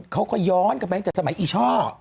เขาก็ย้อนกลับไปตั้งแต่สมัยอีช่อ